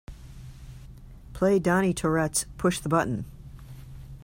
Play Donny Tourette's Push The Button